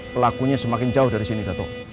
pelakunya semakin jauh dari sini dato